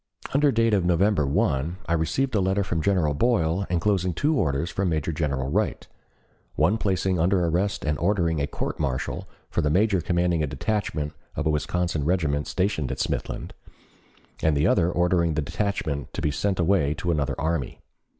Under date of November 1, I received a letter from General Boyle enclosing two orders from Major General Wright, one placing under arrest and ordering a court martial for the major commanding a detachment of a Wisconsin regiment stationed at Smithland, and the other ordering the detachment to be sent away to another army.